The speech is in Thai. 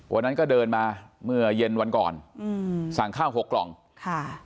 วันนั้นก็เดินมาเมื่อเย็นวันก่อนอืมสั่งข้าวหกกล่องค่ะ